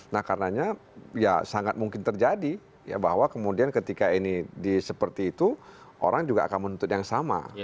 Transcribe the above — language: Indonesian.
nah karenanya ya sangat mungkin terjadi ya bahwa kemudian ketika ini seperti itu orang juga akan menuntut yang sama